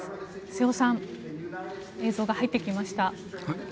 瀬尾さん映像が入ってきました。